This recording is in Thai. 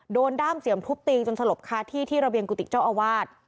ด้ามเสียมทุบตีจนสลบคาที่ที่ระเบียงกุฏิเจ้าอาวาส